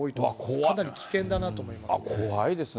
かなり危険だなと思いますね。